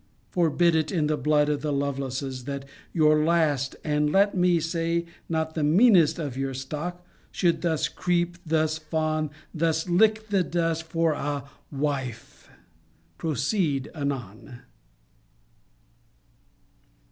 Forbid it in the blood of the Lovelaces, that your last, and, let me say, not the meanest of your stock, should thus creep, thus fawn, thus lick the dust, for a WIFE ! Proceed anon.